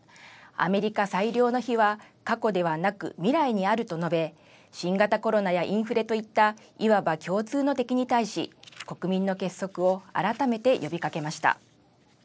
アメリカ最良の日は、過去ではなく、未来にあると述べ、新型コロナやインフレといった、いわば共通の敵に対し、国民の結束を改めて呼びかけました。